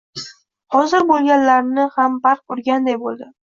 Hozir bo‘lganlarni ham barq urganday bo‘ldi.